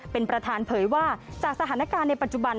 เป็นประธานเผยว่าจากสถานการณ์ในปัจจุบัน